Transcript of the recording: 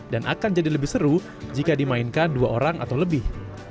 dan akan jadi lebih seru jika dimainkan dua orang atau lebih